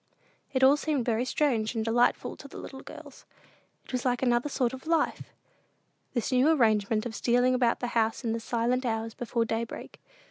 It all seemed very strange and delightful to the little girls. It was like another sort of life, this new arrangement of stealing about the house in the silent hours before daybreak.